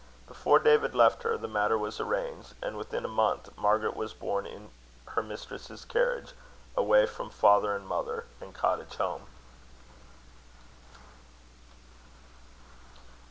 Before David left her, the matter was arranged; and within a month, Margaret was borne in her mistress's carriage, away from father and mother and cottage home.